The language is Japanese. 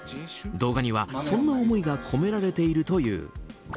動画には、そんな思いが込められているという。